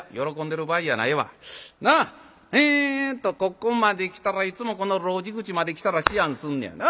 ここまで来たらいつもこの路地口まで来たら思案すんねやな。